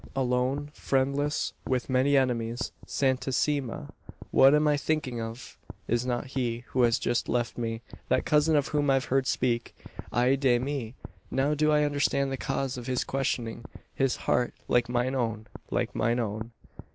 Alone, friendless, with many enemies. Santissima! what am I thinking of? Is not he, who has just left me, that cousin of whom I've heard speak! Ay de mi! Now do I understand the cause of his questioning. His heart, like mine own like mine own!"